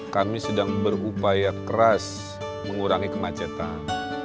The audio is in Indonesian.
kami sedang berupaya keras mengurangi kemacetan